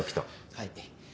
はい。